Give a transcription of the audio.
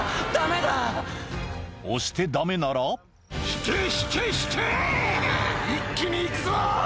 押してダメなら一気にいくぞ！